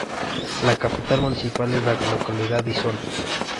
La capital municipal es la localidad de Isona.